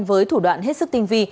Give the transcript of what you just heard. với thủ đoạn hết sức tinh vi